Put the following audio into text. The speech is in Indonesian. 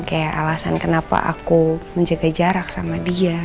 kayak alasan kenapa aku menjaga jarak sama dia